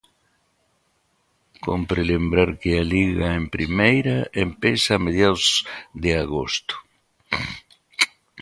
Cómpre lembrar que a Liga en primeira empeza a mediados de agosto.